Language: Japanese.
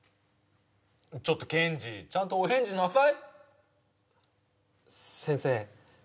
ちょっとケンジちゃんとお返事なさい先生